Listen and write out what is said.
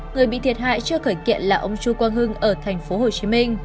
người bị thiệt hại chưa khởi kiện là ông chu quang hưng ở tp hcm